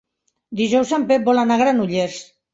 Dijous en Pep vol anar a Granollers.